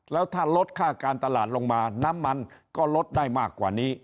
แล้วถ้าลดค่าการตลาดลงมาน้ำมันก็ลดได้มากกว่านี้